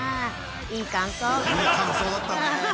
いい感想だったね。